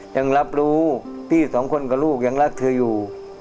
ยังรับรู้พี่สองคนกับลูกยังรักเธออยู่